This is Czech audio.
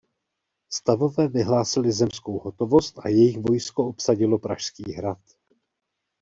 Stavové vyhlásili zemskou hotovost a jejich vojsko obsadilo Pražský hrad.